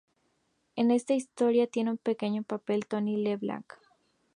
En esta historia tiene un pequeño papel Tony Leblanc.